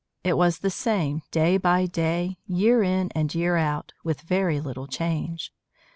It was the same, day by day, year in and year out, with very little change.